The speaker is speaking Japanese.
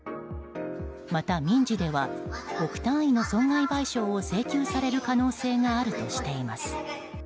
また、民事では億単位の損害賠償を請求される可能性があるとしています。